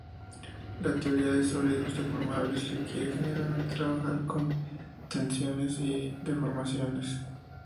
La teoría de sólidos deformables requiere generalmente trabajar con tensiones y deformaciones.